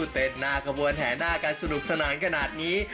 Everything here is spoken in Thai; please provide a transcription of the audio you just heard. เต้นหน้าขบวนแห่หน้ากันสนุกสนานขนาดนี้